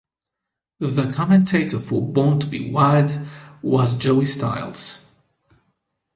The commentator for Born to be Wired was Joey Styles.